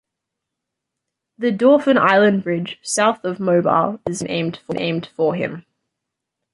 The Dauphin Island Bridge south of Mobile is formally named for him.